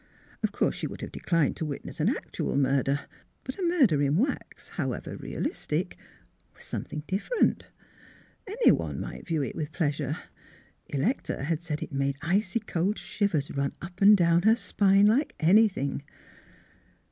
Of course she would have declined to wit ness an actual murder. But a murder in wax, however realistic, was something different. Any one might view it with pleasure. Electa had said it made icy cold shivers run up and down her spine like anything.